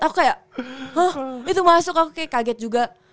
aku kayak hah itu masuk aku kayak kaget juga